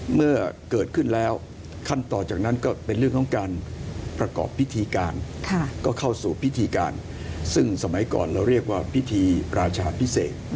เมื่อเกิดขึ้นแล้วขั้นตอนจากนั้นก็เป็นเรื่องของการประกอบพิธีการก็เข้าสู่พิธีการซึ่งสมัยก่อนเราเรียกว่าพิธีราชาพิเศษ